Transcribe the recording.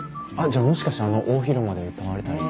じゃあもしかしてあの大広間で歌われたりも？